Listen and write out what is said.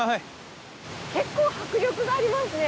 結構迫力がありますね。